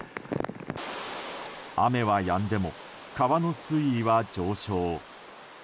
雨はやんでも川の水位は上昇。